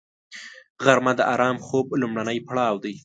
غرمه د آرام خوب لومړنی پړاو دی